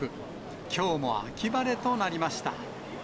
きょうも秋晴れとなりました。